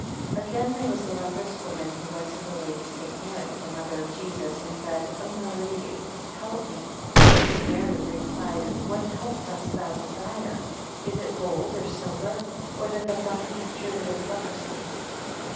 AGAIN, there was a leprous woman who went to the Lady St. Mary, the mother of Jesus, and said, O my Lady, help me. 2 St. Mary replied, What help does thou desire? Is it gold or silver, or that thy body be cured of its leprosy?